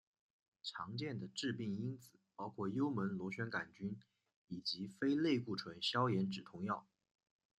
常见的致病因子包括幽门螺旋杆菌以及非类固醇消炎止痛药。